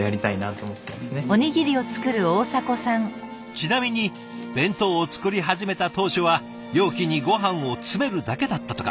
ちなみに弁当を作り始めた当初は容器にごはんを詰めるだけだったとか。